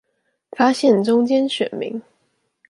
發現中間選民